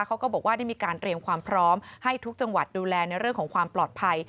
เขาก็บอกว่าได้มีการเตรียมความพร้อมให้ทุกจังหวัดดูแลในเรื่องของความปลอดภัย